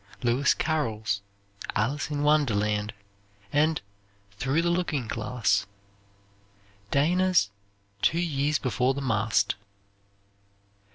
Louis Carroll's "Alice in Wonderland," and "Through the Looking Glass." Dana's "Two Years Before the Mast."